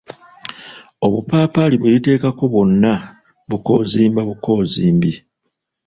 Obupaapali bweriteekako bwonna bukozimba bukozimbi.